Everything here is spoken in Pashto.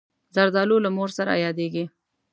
زردالو له مور سره یادېږي.